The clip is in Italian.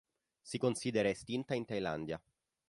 Si considera estinta in Thailandia.